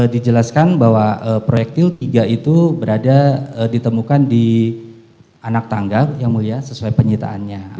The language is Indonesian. dijelaskan bahwa proyektil tiga itu berada ditemukan di anak tangga yang mulia sesuai penyitaannya